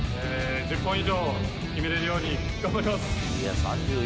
１０本以上決めれるように頑張ります。